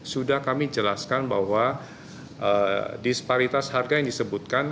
sudah kami jelaskan bahwa disparitas harga yang disebutkan